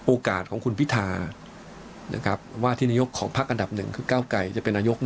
โอกาสของคุณพิทานะครับว่าที่นายกของภาคอันดับ๑ก้าวกลายจะเป็นนายก